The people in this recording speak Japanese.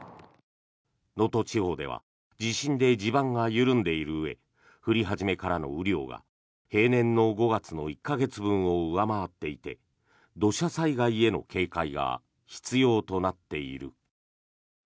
能登地方では地震で地盤が緩んでいるうえ降り始めからの雨量が平年の５月の１か月分を上回っていて土砂災害への警戒が必要となっている。